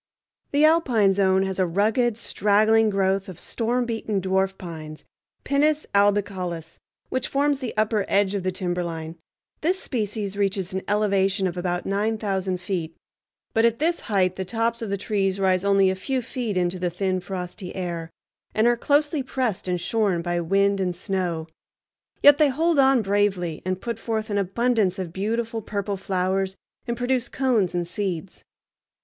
The Alpine Zone has a rugged, straggling growth of storm beaten dwarf pines (Pinus albicaulis), which forms the upper edge of the timberline. This species reaches an elevation of about nine thousand feet, but at this height the tops of the trees rise only a few feet into the thin frosty air, and are closely pressed and shorn by wind and snow; yet they hold on bravely and put forth an abundance of beautiful purple flowers and produce cones and seeds.